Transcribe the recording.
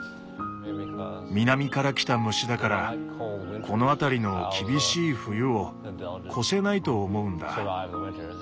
南から来た虫だからこの辺りの厳しい冬を越せないと思うんだ。